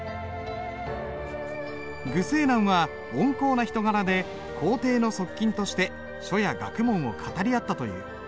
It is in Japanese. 虞世南は温厚な人柄で皇帝の側近として書や学問を語り合ったという。